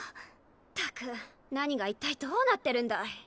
ったく何が一体どうなってるんだい。